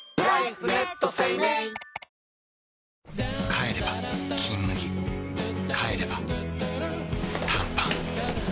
帰れば「金麦」帰れば短パン